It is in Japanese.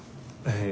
ええ。